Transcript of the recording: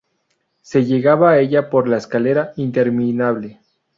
Se llegaba a ella por la Escalera Interminable.